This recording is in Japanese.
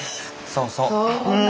そうそう。